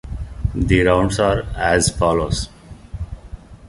The rounds are as follows.